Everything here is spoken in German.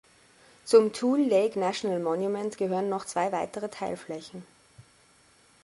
Zum "Tule Lake National Monument" gehören noch zwei weitere Teilflächen.